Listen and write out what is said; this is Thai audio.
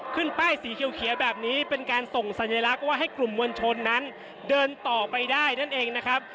ขึ้นป้ายสีเขียวแบบนี้เป็นการส่งสัญลักษณ์ว่าให้กลุ่มมวลชนนั้นเดินต่อไปได้นั่นเองนะครับ